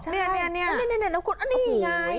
นี่แล้วคุณนี่ไง